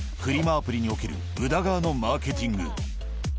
アプリにおける宇田川のマーケティング。